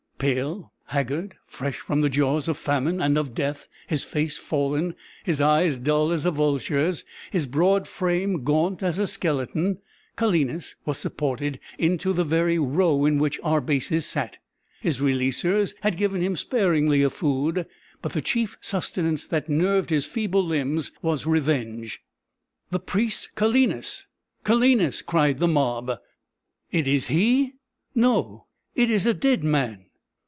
Pale, haggard, fresh from the jaws of famine and of death, his face fallen, his eyes dull as a vulture's, his broad frame gaunt as a skeleton, Calenus was supported into the very row in which Arbaces sat. His releasers had given him sparingly of food; but the chief sustenance that nerved his feeble limbs was revenge! "The priest Calenus Calenus!" cried the mob. "It is he? No it is a dead man!"